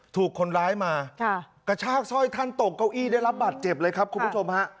ถูกคนร้ายมากระชากสร้อยท่านตกเก้าอี้ได้รับบัตรเจ็บเลยครับคุณผู้ชมฮะ